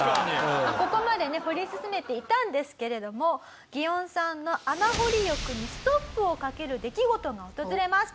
ここまでね掘り進めていたんですけれどもギオンさんの穴掘り欲にストップをかける出来事が訪れます。